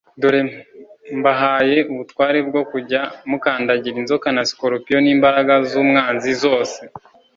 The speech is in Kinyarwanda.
«Dore mbahaye ubutware bwo kujya mukandagira inzoka na Sikoropiyo n'imbaraga z'umwanzi zose,